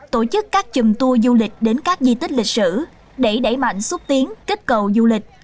tổ chức các chùm tour du lịch đến các di tích lịch sử để đẩy mạnh xúc tiến kết cầu du lịch